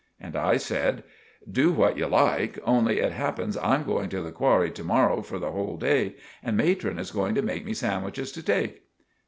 And I said— "Do what you like, only it happens I'm going to the qwarry to morrow for the hole day, and Matron is going to make me sandwiches to take."